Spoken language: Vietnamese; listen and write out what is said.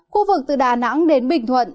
khu vực từ đà nẵng đến bình thuận